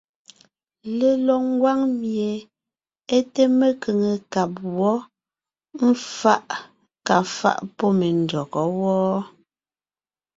Lelɔg ngwáŋ mie é té mekʉ̀ŋekab wɔ́, éfaʼ kà faʼ pɔ́ me ndÿɔgɔ́ wɔ́ɔ.